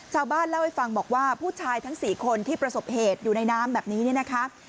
ชาวบ้านเล่าให้ฟังบอกว่าผู้ชายทั้ง๔คนที่ประสบเหตุอยู่ในน้ำแบบนี้เนี่ยนะคะ